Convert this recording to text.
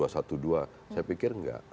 saya pikir enggak